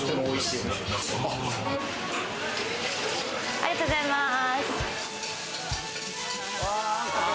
ありがとうございます。